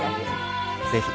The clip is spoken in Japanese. ぜひ。